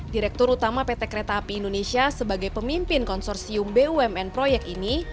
direktur utama pt kereta api indonesia sebagai pemimpin konsorsium bumn proyek ini